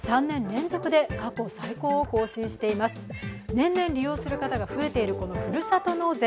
年々、利用される方が増えているふるさと納税。